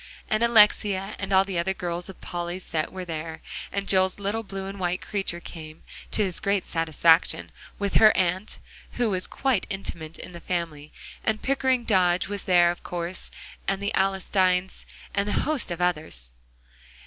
And Alexia and all the other girls of Polly's set were there, and Joel's little blue and white creature came, to his great satisfaction, with her aunt, who was quite intimate in the family; and Pickering Dodge was there of course, and the Alstynes, and hosts of others.